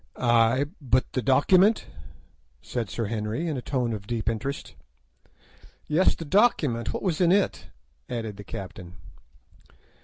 "Ay, but the document?" said Sir Henry, in a tone of deep interest. "Yes, the document; what was in it?" added the captain.